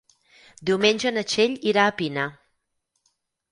Diumenge na Txell irà a Pina.